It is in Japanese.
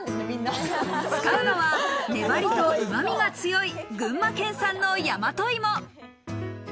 使うのは粘りとうま味が強い、群馬県産の大和芋。